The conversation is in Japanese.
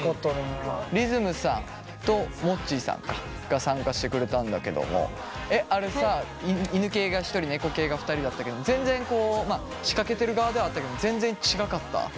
りずむさんともっちーさんか。が参加してくれたんだけどもあれさ犬系が１人猫系が２人だったけど全然こう仕掛けてる側ではあったけども全然違かった？